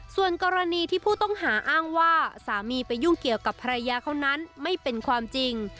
ส่วนกรณีที่ผู้ต้องหาอ้างว่าสามีไปยุ่งเกี่ยวกับภรรยาเขานั้นไม่เป็นความจริง